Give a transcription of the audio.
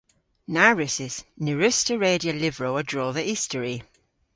Na wrussys. Ny wruss'ta redya lyvrow a-dro dhe istori.